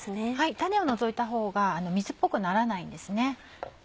種を除いたほうが水っぽくならないんです。